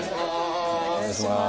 お願いしまーす！